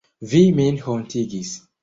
Vi min hontigis.